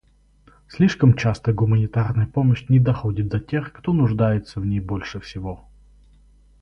Слишком часто гуманитарная помощь не доходит до тех, кто нуждается в ней больше всего.